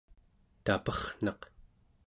taperrnaq